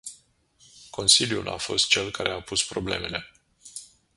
Consiliul a fost cel care a pus problemele.